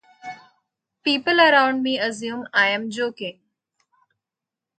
People around me assume I'm joking.